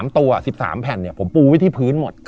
๓ตัว๑๓แผ่นผมปูไว้ที่พื้นหมด